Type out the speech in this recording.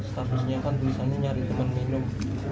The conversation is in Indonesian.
statusnya kan tulisannya nyari teman minum